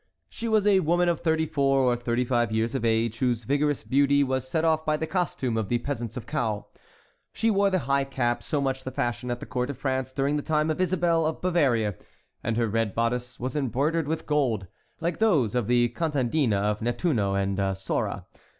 She was a woman of thirty four or thirty five years of age, whose vigorous beauty was set off by the costume of the peasants of Caux. She wore the high cap so much the fashion at the court of France during the time of Isabel of Bavaria, and her red bodice was embroidered with gold, like those of the contadine of Nettuno and Sora.